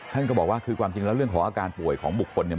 ท่านก็บอกว่าคือความจริงแล้วเรื่องของอาการป่วยของบุคคลเนี่ย